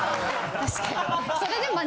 確かに。